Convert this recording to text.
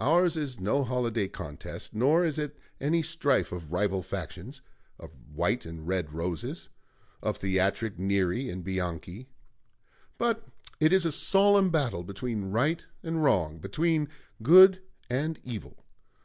Ours is no holiday contest; nor is it any strife of rival factions of White and Red Roses; of theatric Neri and Bianchi; but it is a solemn battle between Right and Wrong, between Good and Evil....